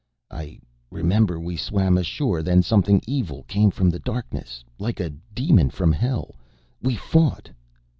"I remember we swam ashore, then something evil came from the darkness, like a demon from hell. We fought...."